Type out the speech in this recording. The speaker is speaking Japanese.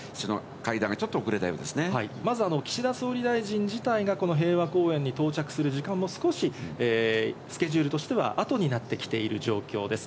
まず岸田総理大臣自体がこの平和公園に到着する時間も少しスケジュールとしてはあとになってきている状況です。